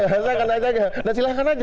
saya akan ajaknya nah silahkan aja